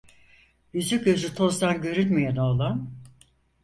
Yüzü gözü tozdan görünmeyen oğlan: